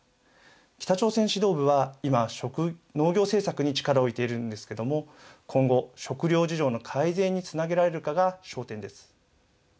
北朝鮮指導部は今農業政策に力を入れているんですけれども今後、食料事情の改善につなげられるかが焦点です。